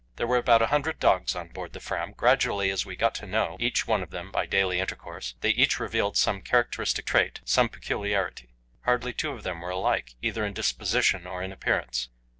There were about a hundred dogs on board the Fram. Gradually, as we got to know each one of them by daily intercourse, they each revealed some characteristic trait, some peculiarity. Hardly two of them were alike, either in disposition or in appearance.